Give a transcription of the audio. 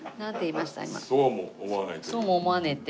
「そうも思わねえ」って？